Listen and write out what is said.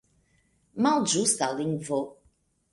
Malĝusta lingvo!